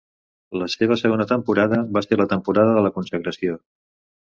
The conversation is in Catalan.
La seva segona temporada va ser la temporada de la consagració.